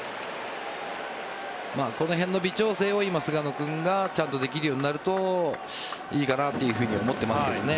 この辺の微調整を今、菅野君がちゃんとできるようになるといいかなというふうに思ってますけどね。